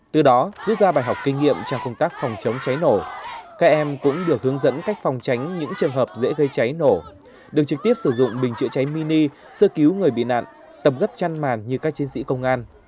từ đó rút ra bài học kinh nghiệm trong công tác phòng chống cháy nổ các em cũng được hướng dẫn cách phòng tránh những trường hợp dễ gây cháy nổ được trực tiếp sử dụng bình chữa cháy mini sơ cứu người bị nạn tầm gấp chăn màn như các chiến sĩ công an